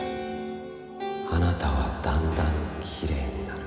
「あなたはだんだんきれいになる」